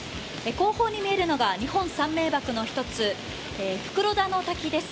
後方に見えるのが日本三大名ばくの一つ、袋田の滝です。